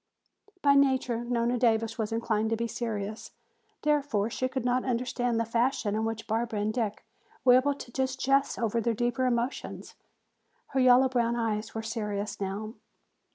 By nature Nona Davis was inclined to be serious. Therefore she could never understand the fashion in which Barbara and Dick were able to jest over their deeper emotions. Her yellow brown eyes were serious now.